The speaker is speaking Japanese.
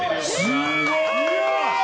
すごい！